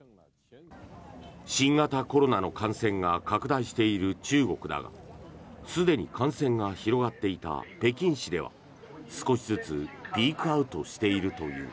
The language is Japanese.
新型コロナの感染が拡大している中国だがすでに感染が広がっていた北京市では少しずつピークアウトしているという。